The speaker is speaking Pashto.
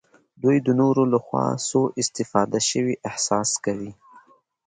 دوی د نورو لخوا سوء استفاده شوي احساس کوي.